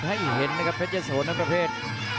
ให้เห็นนะครับเพชรยะโสนั้นประเภท